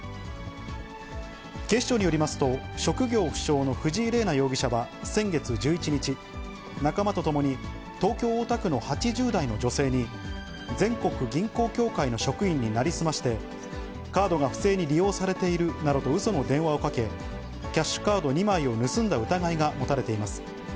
警視庁によりますと、職業不詳の藤井玲那容疑者は先月１１日、仲間と共に東京・大田区の８０代の女性に、全国銀行協会の職員に成り済まして、カードが不正に利用されているなどと、うその電話をかけ、キャッシュカード２枚を盗んだ疑いが持たれています。